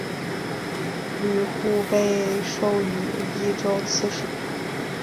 吕护被授予冀州刺史。